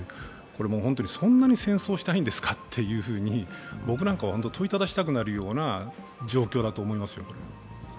これは、そんなに戦争をしたいんですかというふうに、僕なんかは問いただしたくなるような状況だと思いますよ。